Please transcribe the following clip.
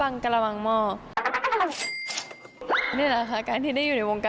นี่แหละค่ะการที่ได้อยู่ในวงการ